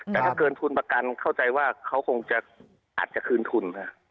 แต่ถ้าเกินทุนประกันเข้าใจว่าเขาคงจะอาจจะคืนทุน